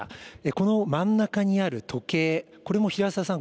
この真ん中にある時計、これも平澤さん